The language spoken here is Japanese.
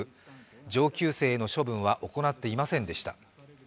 上級生への処分は行っていませんでした。